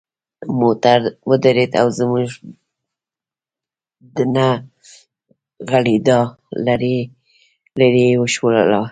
موټر ودرید او زموږ د نه غږیدا لړۍ یې وشلوله.